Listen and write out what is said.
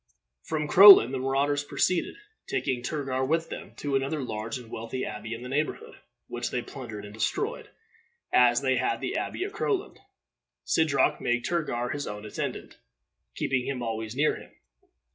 From Crowland the marauders proceeded, taking Turgar with them, to another large and wealthy abbey in the neighborhood, which they plundered and destroyed, as they had the abbey at Crowland. Sidroc made Turgar his own attendant, keeping him always near him.